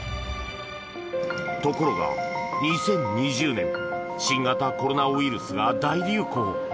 ところが、２０２０年新型コロナウイルスが大流行。